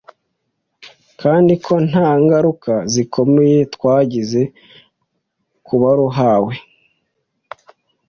kandi ko nta ngaruka zikomeye rwagize ku baruhawe.